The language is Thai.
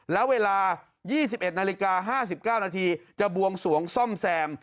แล้วเวลา๒๑นาฬิกา๕๙นาทีจะบวงสวงซ่อมแซม